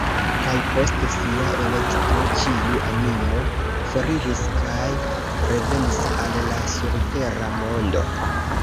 Kaj post sia elekto ĉiu animo foriris kaj revenis al la surtera mondo.